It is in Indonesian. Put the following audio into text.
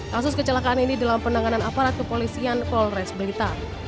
kasus kecelakaan ini dalam penanganan aparat kepolisian polres blitar